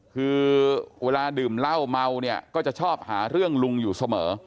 คือเวลาดื่มเหล้าเมาเนี่ยก็จะชอบหาเรื่องลุงอยู่เสมอ